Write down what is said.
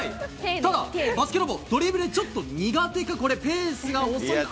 ただ、バスケロボ、ドリブルちょっと苦手かこれ、ペースが遅い。